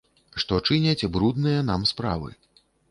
Што чыняць брудныя нам справы.